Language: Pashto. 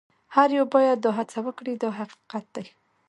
هر یو باید دا هڅه وکړي دا حقیقت دی.